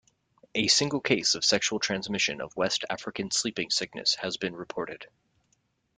A single case of sexual transmission of West African sleeping sickness has been reported.